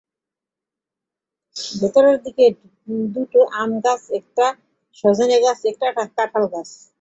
ভেতরের দিকে দুটো আমগাছ, একটা সজনেগাছ, একটা কাঁঠালগাছ।